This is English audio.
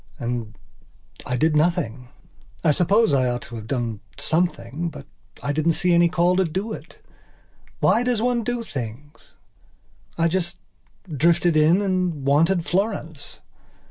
And I did nothing. I suppose I ought to have done something, but I didn't see any call to do it. Why does one do things? I just drifted in and wanted Florence.